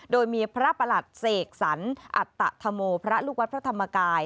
โดยมีพระประหลัดเสกสรรอัตธรโมพระลูกวัดพระธรรมกาย